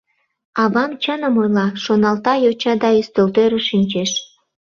«Авам чыным ойла», — шоналта йоча да ӱстелтӧрыш шинчеш.